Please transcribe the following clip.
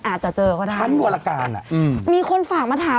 อาจจะเจอก็ได้ทั้งวรการอ่ะอืมมีคนฝากมาถาม